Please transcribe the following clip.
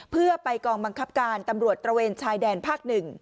เพื่อไปกองบังคับการตำรวจตระเวนชายแดนภาค๑